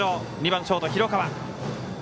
２番、ショートの廣川。